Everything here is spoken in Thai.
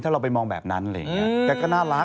ถ้าเราไปมองแบบนั้นแกก็น่ารัก